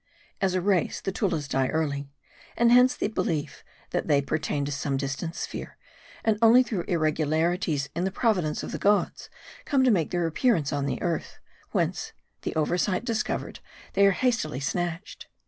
As a race, the Tullas die early. And hence the belief, that they pertain to some distant sphere, and only through irregularities in the providence of the gods, come to make their appearance upon earth ; whence, the oversight discov ered, they are hastily snatched.